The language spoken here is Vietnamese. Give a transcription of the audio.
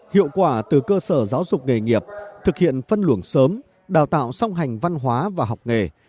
hiệu quả từ cơ sở giáo dục nghề nghiệp thực hiện phân luồng sớm đào tạo song hành văn hóa và học nghề